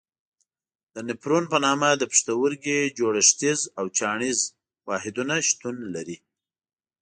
د نفرون په نامه د پښتورګي جوړښتیز او چاڼیز واحدونه شتون لري.